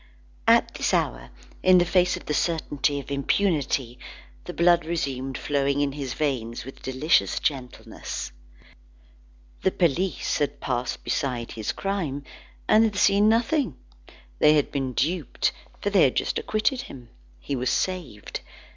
At this hour, in the face of the certainty of impunity, the blood resumed flowing in his veins with delicious gentleness. The police had passed beside his crime, and had seen nothing. They had been duped, for they had just acquitted him. He was saved.